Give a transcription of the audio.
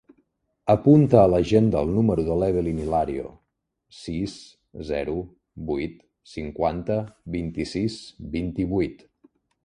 Apunta a l'agenda el número de l'Evelyn Hilario: sis, zero, vuit, cinquanta, vint-i-sis, vint-i-vuit.